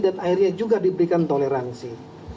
dan akhirnya juga diberikan toleransi